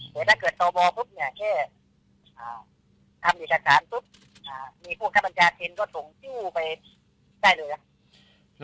แต่ถ้าเกิดต่อบอพุธเนี่ยแค่ทำหิตสาธารณ์พุธมีพวกท่านบัญชาเช็นก็ส่งจู้ไปได้เลยครับ